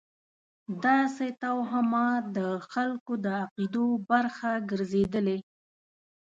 داسې توهمات د خلکو د عقایدو برخه ګرځېدلې.